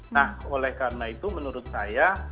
nah oleh karena itu menurut saya